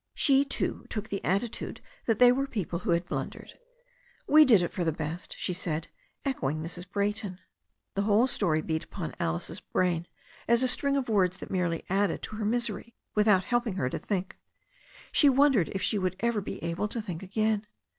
She, too, took the attitude that they were the people who had blundered. We did it for the best," she said, echoing Mrs. Brayton. The whole story beat upon Alice's brain as a string of words that merely added to her misery without helping her to think. She wondered if she would ever be able to think again.